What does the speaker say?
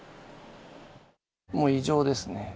もう異常ですね。